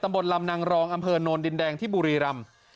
บนลำนางรองอำเภอโนนดินแดงที่บุรีรำ